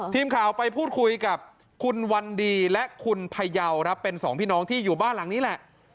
ทีมข่าวไปพูดคุยกับคุณวันดีและคุณพยาวครับเป็นสองพี่น้องที่อยู่บ้านหลังนี้แหละ